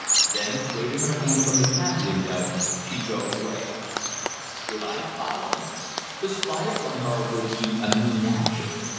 Then, waving her hand from the cab window, she drove away. Should I follow? To spy upon her would be a mean action.